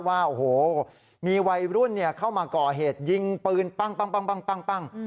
ว่าโอ้โหมีวัยรุ่นเข้ามาก่อเหตุยิงปืนปั้ง